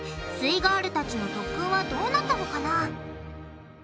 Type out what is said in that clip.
イガールたちの特訓はどうなったのかな？